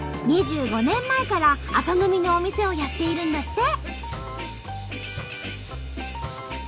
２５年前から朝飲みのお店をやっているんだって！